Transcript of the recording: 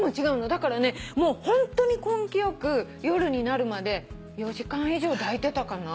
だからホントに根気よく夜になるまで４時間以上抱いてたかな。